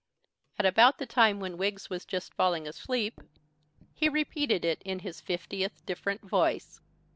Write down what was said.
At about the time when Wiggs was just falling asleep, he repeated it in his fiftieth different voice.